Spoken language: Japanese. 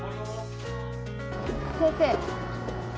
先生。